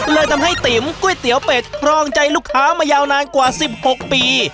เลยทำให้ติ๋มก๋วยเตี๋ยวเป็ดครองใจลูกค้ามายาวนานกว่า๑๖ปี